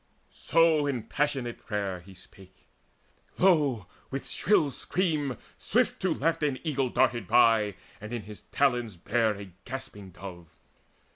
In passionate prayer he spake: lo, with shrill scream Swiftly to left an eagle darted by And in his talons bare a gasping dove.